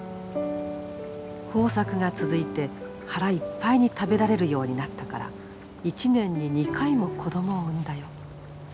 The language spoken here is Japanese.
豊作が続いて腹いっぱいに食べられるようになったから１年に２回も子供を産んだよ。